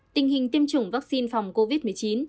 tình hình tiêm chủng vaccine phòng covid một mươi chín